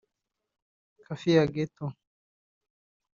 Kafia ghetto